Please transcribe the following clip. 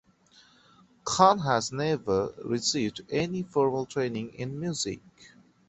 Khan has never received any formal training in music.